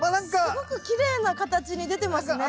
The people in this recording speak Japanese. すごくきれいな形に出てますね。